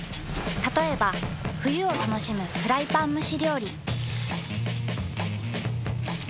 たとえば冬を楽しむフライパン蒸し料理。